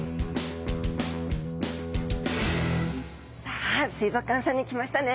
さあ水族館さんに来ましたね！